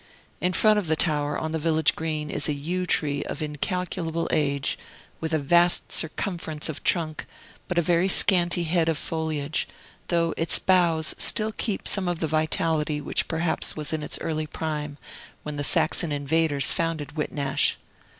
In front of the tower, on the village green, is a yew tree of incalculable age, with a vast circumference of trunk, but a very scanty head of foliage; though its boughs still keep some of the vitality which perhaps was in its early prime when the Saxon invaders founded Whitnash.